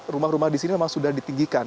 rumah rumah di sini memang sudah ditinggikan